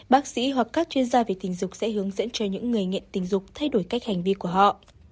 bác sĩ hoặc các chuyên gia về tình dục sẽ hướng dẫn cho những người nghiện tình dục thay đổi cách hành vi của họ